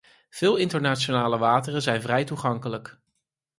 Veel internationale wateren zijn vrij toegankelijk.